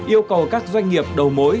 yêu cầu các doanh nghiệp đầu mối